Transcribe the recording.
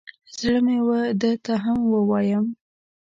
زړه مې و ده ته هم ووایم.